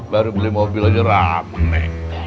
baru beli mobil aja rame